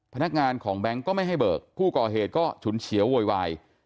พนักงานของแบงค์ก็ไม่ให้เบิกผู้ก่อเหตุก็ฉุนเฉียวโวยวาย